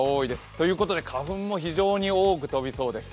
ということで花粉も非常に多く飛びそうです。